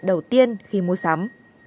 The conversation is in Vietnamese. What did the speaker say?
đầu tiên khi mua sắm